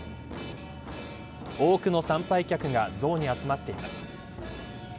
多くの参拝客が像に集まっています。